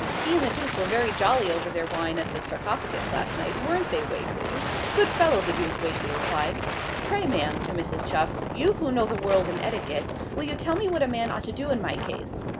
He and the Duke were very jolly over their wine at the "Sarcophagus" last night; weren't they, Wagley?' 'Good fellow, the Duke,' Wagley replied. 'Pray, ma'am' (to Mrs. Chuff), 'you who know the world and etiquette, will you tell me what a man ought to do in my case?